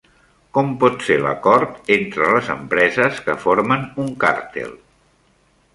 Com pot ser l'acord entre les empreses que formen un càrtel?